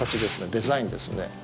デザインですね。